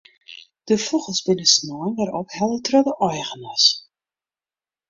De fûgels binne snein wer ophelle troch de eigeners.